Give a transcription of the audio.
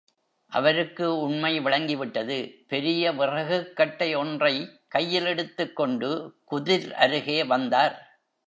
அவருக்கு உண்மை விளங்கிவிட்டது பெரிய விறகுக்கட்டை ஒன்றைக் கையிலெடுத்துக் கொண்டு குதிர் அருகே வந்தார்.